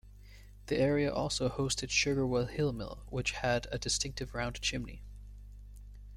The area also hosted Sugarwell Hill Mill which had a distinctive round chimney.